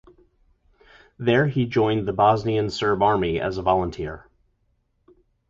There he joined the Bosnian Serb Army as a volunteer.